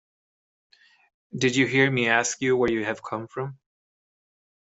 Did you hear me ask you where you have come from?